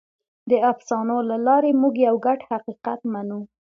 د افسانو له لارې موږ یو ګډ حقیقت منو.